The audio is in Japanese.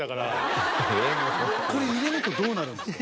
これ入れるとどうなるんですか？